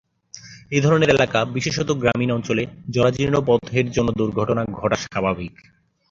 এই ধরণের এলাকা, বিশেষত গ্রামীণ অঞ্চলে জরাজীর্ণ পথের জন্য দুর্ঘটনা ঘটা স্বাভাবিক।